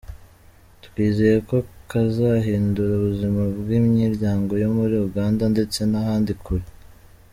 "Twizeye ko kazahindura ubuzima bw'imiryango yo muri Uganda, ndetse n'ahandi kure.